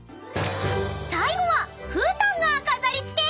［最後はふうたんが飾り付け］